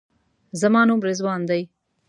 زما نوم رضوان دی.